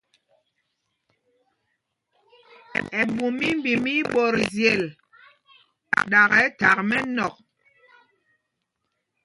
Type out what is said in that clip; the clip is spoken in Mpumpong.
Ɛɓu mimbi mɛ íɓɔtzyel, ɗakɛ thak mɛnɔ̂k.